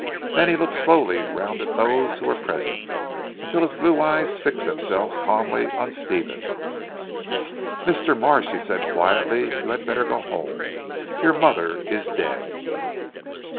Then he looked slowly round at those who were present, until his blue eyes fixed themselves calmly on Stephen. "Mr. Marsh!" he said quietly, "you had better go home. Your mother is dead."